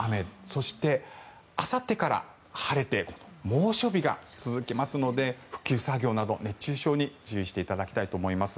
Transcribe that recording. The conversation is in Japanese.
そして、あさってから晴れて猛暑日が続きますので復旧作業など熱中症に注意していただきたいと思います。